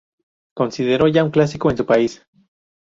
Considero ya un clásico en su país.